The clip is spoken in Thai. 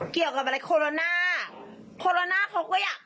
เกี่ยวกับอะไรโคโรนาโคโรน่าเขาก็อยาก